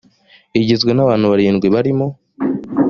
igizwe n abantu barindwi barimo